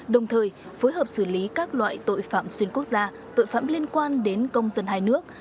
đồng thời phối hợp xử lý các loại tội phạm xuyên quốc gia tội phạm liên quan đến công dân hai nước